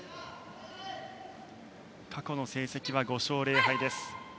過去の成績は５勝０敗です。